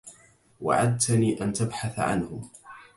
وعدتني أن تبحث عنهم.